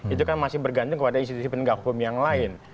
itu kan masih bergantung kepada institusi penegak hukum yang lain